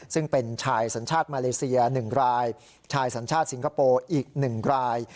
ซึ่งเป็นชายสัญชาติมาเลเซีย๑รายชายสัญชาติสิงคโปร์อีก๑ราย